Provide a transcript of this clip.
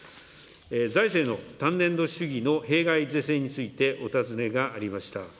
財政の単年度主義の弊害是正についてお尋ねがありました。